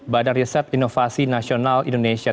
badan riset inovasi nasional indonesia